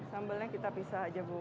sambalnya kita pisah aja bu